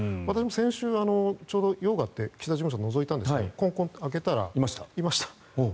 先週、ちょうど用があって岸田事務所をのぞいたんですがコンコンと開けたら、いました。